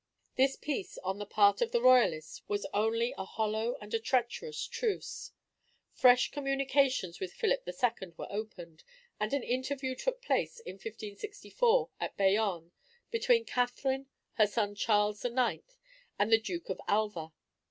This peace on the part of the Royalists was only a hollow and a treacherous truce. Fresh communications with Philip II. were opened; and an interview took place in 1564 at Bayonne, between Catherine, her son Charles IX., and the Duke of Alva.